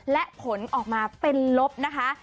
และผลออกมาเป็นลบนะคะ